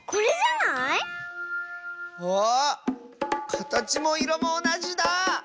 かたちもいろもおなじだあ！